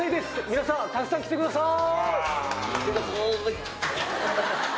皆さんたくさん来てください！